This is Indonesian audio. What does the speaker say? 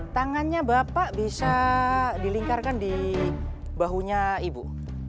tangannya bapak bisa dilingkarkan di bahunya ibu